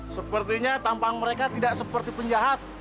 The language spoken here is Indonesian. sepertinya tampang mereka tidak seperti penjahat